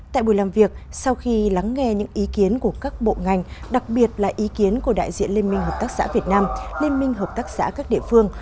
tại buổi làm việc sau khi lắng nghe những ý kiến của các bộ ngành đặc biệt là ý kiến của đại diện liên minh hợp tác xã việt nam liên minh hợp tác xã các địa phương